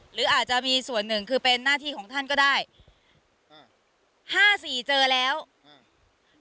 หรืออาจจะมีส่วนหนึ่งคือเป็นหน้าที่ของท่านก็ได้อ่าห้าสี่เจอแล้วอืม